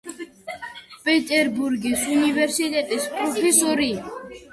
პეტერბურგის უნივერსიტეტის პროფესორი.